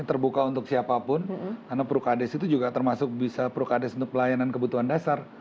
terbuka untuk siapapun karena prukades itu juga termasuk bisa prukades untuk pelayanan kebutuhan dasar